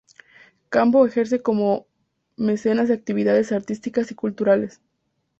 Cambó ejerció como mecenas de actividades artísticas y culturales.